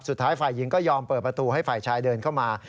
สุดท้ายฝ่ายหญิงก็ยอมเปิดประตูให้ฝ่ายชายเดินเข้ามา